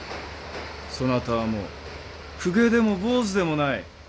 そなたはもう公家でも坊主でもない。